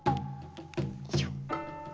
よいしょ。